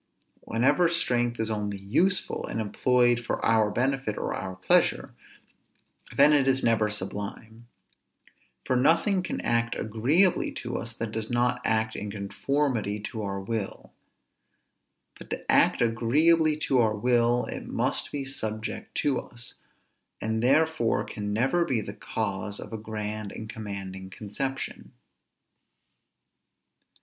Whenever strength is only useful, and employed for our benefit or our pleasure, then it is never sublime; for nothing can act agreeably to us, that does not act in conformity to our will; but to act agreeably to our will, it must be subject to us, and therefore can never be the cause of a grand and commanding conception.